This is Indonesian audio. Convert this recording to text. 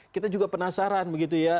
kita juga penasaran begitu ya